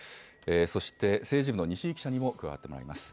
そして政治部の西井記者にも加わってもらいます。